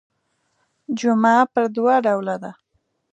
جمعه پر دوه ډوله ده.